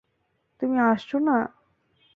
তুমি আসছো না?